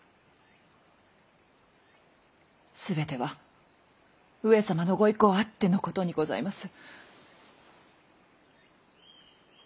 全ては上様のご威光あってのことにございます。